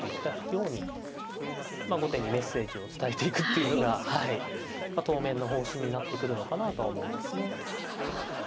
ように後手にメッセージを伝えていくっていうのがはい当面の方針になってくるのかなとは思いますね。